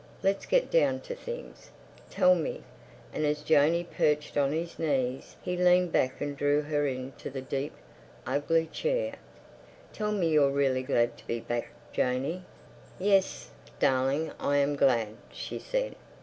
Let's get down to things. Tell me"—and as Janey perched on his knees he leaned back and drew her into the deep, ugly chair—"tell me you're really glad to be back, Janey." "Yes, darling, I am glad," she said.